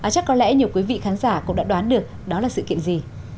chắc có lẽ nhiều quý vị khán giả cũng đã đoán được đó là sự kiện gì